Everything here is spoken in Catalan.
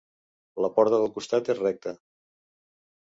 La porta del costat és recta.